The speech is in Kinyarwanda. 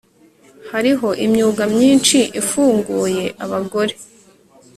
Hariho imyuga myinshi ifunguye abagore